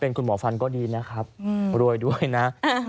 คุณหมอฟันก็ดีนะครับรวยด้วยนะ